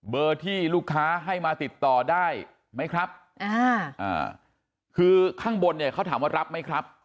ที่ลูกค้าให้มาติดต่อได้ไหมครับอ่าคือข้างบนเนี่ยเขาถามว่ารับไหมครับ